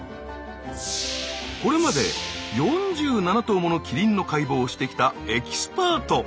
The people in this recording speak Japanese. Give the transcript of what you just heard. これまで４７頭ものキリンの解剖をしてきたエキスパート。